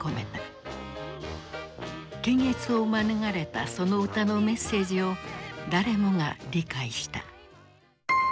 検閲を免れたその歌のメッセージを誰もが理解した。